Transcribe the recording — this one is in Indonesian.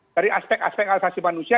dari aspek aspek asasi manusia